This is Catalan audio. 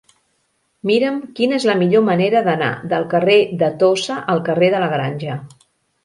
Mira'm quina és la millor manera d'anar del carrer de Tossa al carrer de la Granja.